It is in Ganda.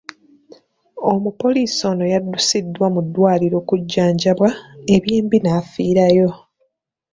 Omupoliisi ono yaddusiddwa mu ddwaliro okujjanjabwa, ebyembi n’afiirayo.